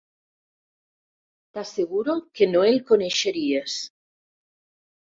T'asseguro que no el coneixeries.